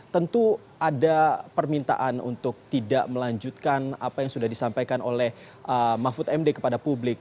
tentu ada permintaan untuk tidak melanjutkan apa yang sudah disampaikan oleh mahfud md kepada publik